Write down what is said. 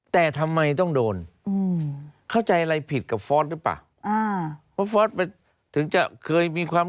แต่ทำไมต้องโดนเข้าใจอะไรผิดกับฟอสหรือเปล่า